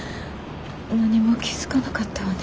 何も気付かなかったわね